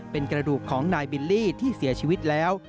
เป็นกระดูกของนายบิลลี่ที่เสียชีวิตแล้ว